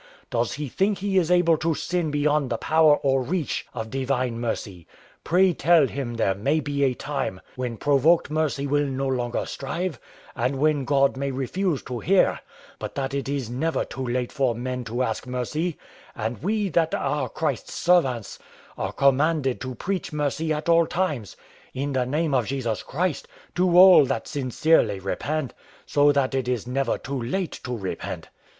Does he think he is able to sin beyond the power or reach of divine mercy? Pray tell him there may be a time when provoked mercy will no longer strive, and when God may refuse to hear, but that it is never too late for men to ask mercy; and we, that are Christ's servants, are commanded to preach mercy at all times, in the name of Jesus Christ, to all those that sincerely repent: so that it is never too late to repent."